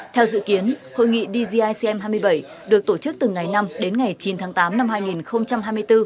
theo dự kiến hội nghị dgicm hai mươi bảy được tổ chức từ ngày năm đến ngày chín tháng tám năm hai nghìn hai mươi bốn